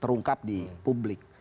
terungkap di publik